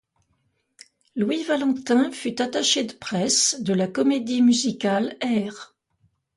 Louis Valentin fut attaché de presse de la comédie musicale Hair.